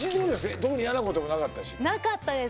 特に嫌なこともなかったしなかったです